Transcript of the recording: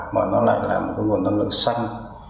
mà nó lại là một năng lượng xanh